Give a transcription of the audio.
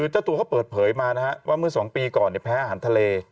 ท่าตัวเขาเปิดเผยเมื่อ๒ปีก่อนเนี่ยแพ้อาหารทะเล